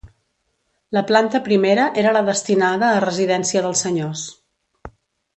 La planta primera era la destinada a residència dels senyors.